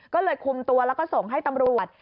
ก็เลยคุมตัวแล้วก็ส่งให้ตำรวจ